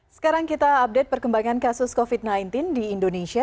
sekarang kita update perkembangan kasus covid sembilan belas di indonesia